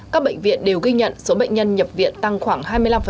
các bệnh viện đều ghi nhận số bệnh nhân nhập viện tăng khoảng hai mươi năm